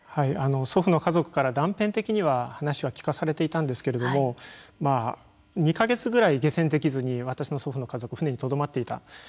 祖父の家族から断片的には話は聞かされていたんですけど２か月ぐらい下船できずに私の祖父の家族は船にとどまっていた。